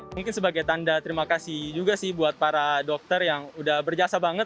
mungkin sebagai tanda terima kasih juga sih buat para dokter yang udah berjasa banget